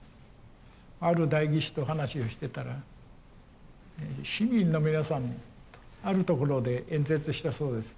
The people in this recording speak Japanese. ある代議士と話をしてたら市民の皆さんにあるところで演説したそうです。